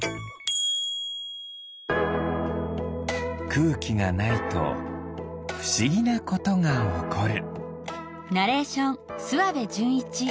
くうきがないとふしぎなことがおこる。